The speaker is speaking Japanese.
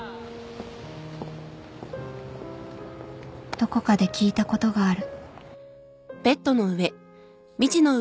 どこかで聞いたことがある